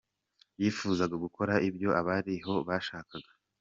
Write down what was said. Yifuzaga gukora ibyo abari aho bashakaga.